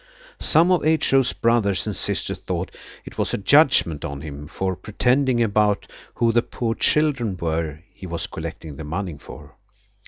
Some of H.O.'s brothers and sisters thought it was a judgment on him for pretending about who the poor children were he was collecting the money for.